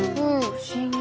不思議。